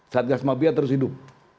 satgas mabiah terus hidup